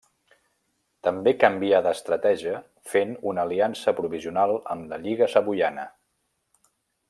També canvià d'estratègia fent una aliança provisional amb la Lliga Savoiana.